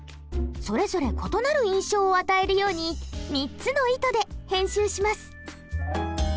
それぞれ異なる印象を与えるように３つの意図で編集します。